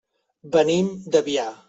Venim de Biar.